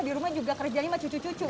di rumah juga kerjanya sama cucu cucu